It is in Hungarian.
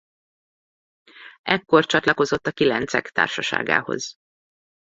Ekkor csatlakozott a Kilencek társaságához.